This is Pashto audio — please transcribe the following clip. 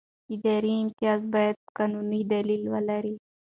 اداري امتیاز باید قانوني دلیل ولري.